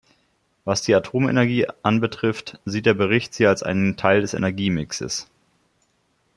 Was die Atomenergie anbetrifft, sieht der Bericht sie als einen Teil des Energiemixes.